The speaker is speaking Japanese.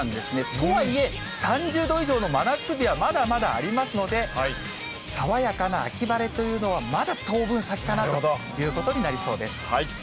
とはいえ、３０度以上の真夏日はまだまだありますので、爽やかな秋晴れというのは、まだ当分先かなということになりそうです。